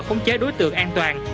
khống chế đối tượng an toàn